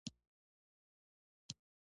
احمده پر دې خبره برغولی کېږده.